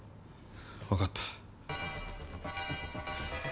わかった。